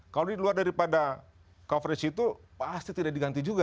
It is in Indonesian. kalau di luar daripada coverage itu pasti tidak diganti juga